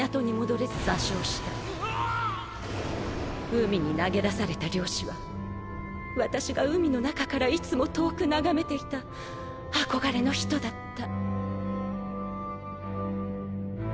海に投げ出された漁師は私が海の中からいつも遠く眺めていた憧れの人だった。